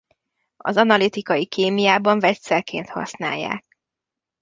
Az analitikai kémiában vegyszerként használják.